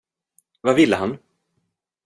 Vad ville han?